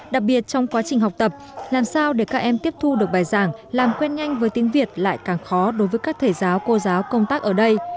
đặc biệt trong quá trình học tập làm sao để các em tiếp thu được bài giảng làm quen nhanh với tiếng việt lại càng khó đối với các thầy giáo cô giáo công tác ở đây